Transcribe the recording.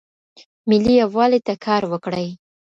ملي یووالي ته کار وکړئ.